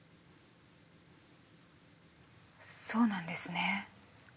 そうなんですね。